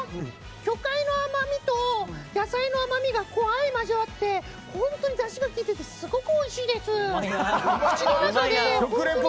魚介の甘みと野菜の甘みが相交わってだしがきいててすごくおいしいです！